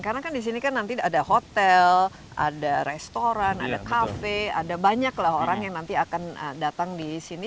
karena kan di sini kan nanti ada hotel ada restoran ada cafe ada banyak lah orang yang nanti akan datang ke sini